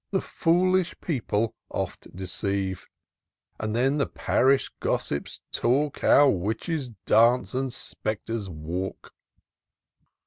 The foolish people oft deceive ; And then the parish gossips talk How witches dance, and spectres walk."